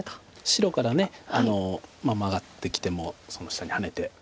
白からマガってきてもその下にハネて。